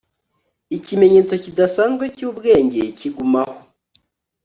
Ikimenyetso kidasanzwe cyubwenge kigumaho